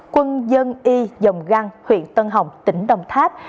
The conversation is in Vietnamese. quân dân y dòng găng huyện tân hồng tỉnh đồng tháp